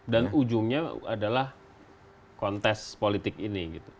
dan ujungnya adalah kontes politik ini